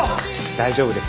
大丈夫です。